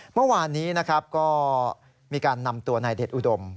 เมื่อวานนี้ก็มีการนำตัวนายเดชน์อุดม